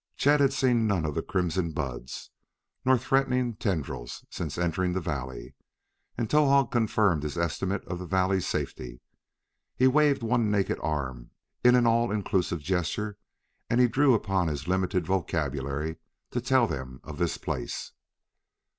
Chet had seen none of the crimson buds, nor threatening tendrils since entering the valley. And Towahg confirmed his estimate of the valley's safety. He waved one naked arm in an all inclusive gesture, and he drew upon his limited vocabulary to tell them of this place.